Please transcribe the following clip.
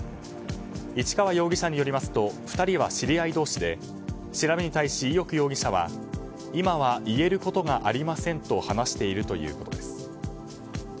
市川容疑者によりますと２人は知り合い同士で調べに亜致死、伊能容疑者は今は言えることがありませんと話しているということです。